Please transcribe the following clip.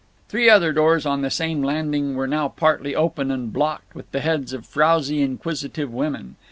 Three other doors on the same landing were now partly open and blocked with the heads of frowsy inquisitive women.